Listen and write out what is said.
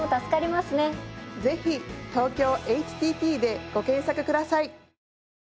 ぜひ「東京ＨＴＴ」でご検索ください。